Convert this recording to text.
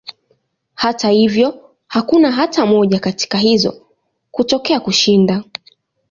Hata hivyo, hakuna hata moja katika hizo kutokea kushinda.